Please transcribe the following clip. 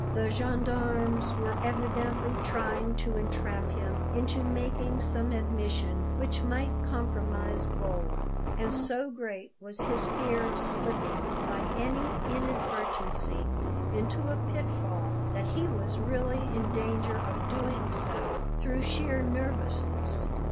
The gendarmes were evidently trying to entrap him into making some admission which might compromise Bolla; and so great was his fear of slipping, by any inadvertency, into a pitfall, that he was really in danger of doing so through sheer nervousness.